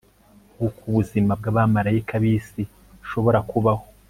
nkuko ubuzima bwabamarayika bisi bushobora kubaho